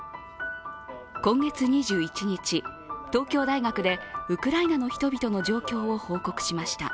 今月２１日、東京大学でウクライナの人々の状況を報告しました。